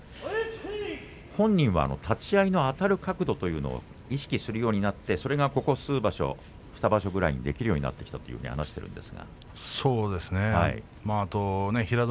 本人は立ち合いの、あたる角度を意識するようになってそこがここ２場所ぐらいできるようになったと話しています。